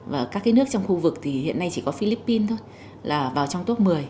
và các cái nước trong khu vực thì hiện nay chỉ có philippines thôi là vào trong top một mươi